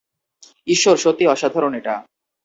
ঈশ্বর, সত্যিই অসাধারণ এটা!